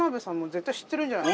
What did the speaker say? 絶対知ってるんじゃない？